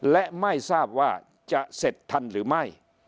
และไม่ทราบว่าจะเสร็จทันหรือไม่